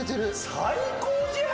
最高じゃん！